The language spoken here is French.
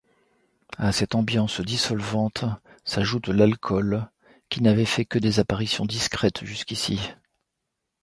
À cette ambiance dissolvante s'ajoute l'alcool, qui n'avait fait que des apparitions discrètes jusqu'ici.